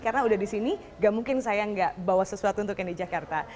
karena udah disini gak mungkin saya gak bawa sesuatu untuknya di jakarta